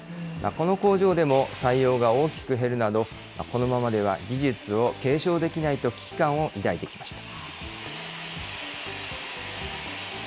この工場でも採用が大きく減るなど、このままでは技術を継承できないと危機感を抱いてきました。